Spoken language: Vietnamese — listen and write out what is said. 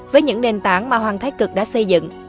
với những nền tảng mà hoàng thái cực đã xây dựng